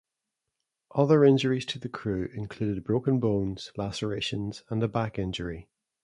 Other injuries to the crew included broken bones, lacerations, and a back injury.